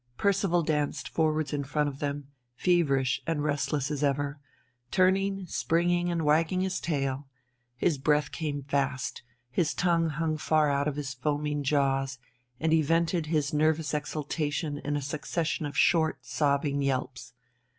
Percival danced backwards in front of them, feverish and restless as ever, turning, springing, and wagging his tail his breath came fast, his tongue hung far out of his foaming jaws, and he vented his nervous exaltation in a succession of short, sobbing yelps.